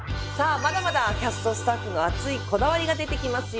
まだまだキャストスタッフの熱いこだわりが出てきますよ。